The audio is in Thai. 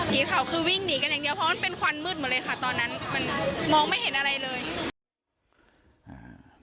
สีขาวคือวิ่งหนีกันอย่างเดียวเพราะมันเป็นควันมืดหมดเลยค่ะตอนนั้นมันมองไม่เห็นอะไรเลย